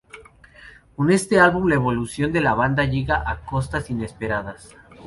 Con este álbum, la evolución de la banda llega a cotas inesperadas.